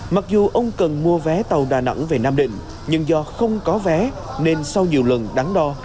mặc dù ông cần mua vé tàu đà nẵng về nam định nhưng do không có vé nên sau nhiều lần đắn đo